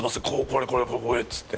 これこれこれ」っつって。